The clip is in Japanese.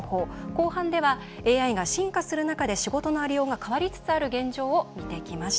後半ではＡＩが進化する中で仕事のありようが変わりつつある現状を見てきました。